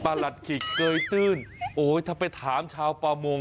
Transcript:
หลัดขิกเกยตื้นโอ้ยถ้าไปถามชาวประมง